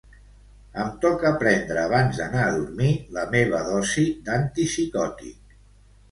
Em toca prendre abans d'anar a dormir la meva dosi d'antipsicòtic.